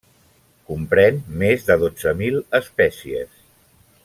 Comprèn més de dotze mil espècies.